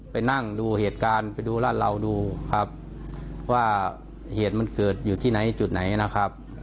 ไปนั่งดูเหตุการณ์ไปดูร้านเราดูครับว่าเหตุมันเกิดอยู่ที่ไหนจุดไหนนะครับ